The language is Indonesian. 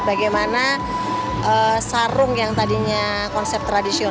bagaimana sarung yang tadinya konsep tradisional